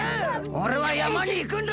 おれはやまにいくんだ！